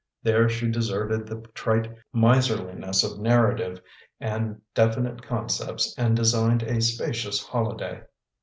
There she deserted the trite miserli ns of narrative and definite concepts and designed a spacious holiday.